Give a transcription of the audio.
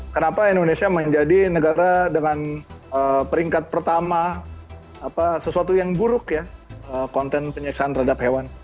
kenapa indonesia menjadi negara dengan peringkat pertama sesuatu yang buruk ya konten penyiksaan terhadap hewan